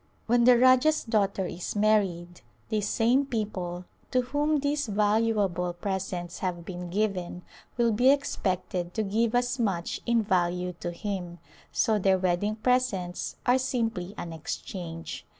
When the Rajah's daughter is married these same people to whom these valuable presents have been given will be expected to give as much in value to him, so their wedding presents are simply an exchange.